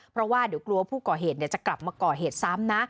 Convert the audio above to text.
เพราะว่าเดี๋ยวกลัวผู้ก่อเหตุจะกลับมาก่อเหตุซ้ำนะ